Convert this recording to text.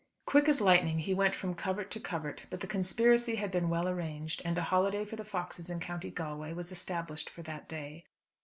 Quick as lightning he went from covert to covert; but the conspiracy had been well arranged, and a holiday for the foxes in County Galway was established for that day.